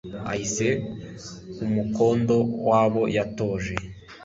ahise ku mukondo w'abo yatoje